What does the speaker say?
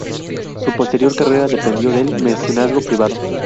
Su posterior carrera dependió del mecenazgo privado.